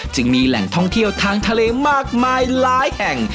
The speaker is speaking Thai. จึงมีแหล่งท่องเที่ยวทางทะเลมากมายหลายแห่ง